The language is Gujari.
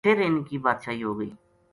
فِر اِنھ کی بادشاہی ہو گئی